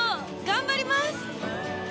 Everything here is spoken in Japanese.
頑張ります！